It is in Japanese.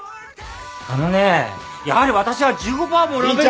あのねやはり私は１５パーもらうべき。